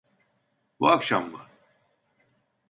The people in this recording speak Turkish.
Bu akşam mı?